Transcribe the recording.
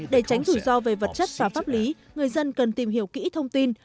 để tránh rủi ro về vật chất và pháp lý người dân cần tìm hiểu kỹ thông tin